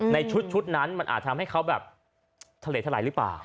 ในชุดนั้นมันอาจทำให้เขาแบบทะเลทะไหลหรือเปล่า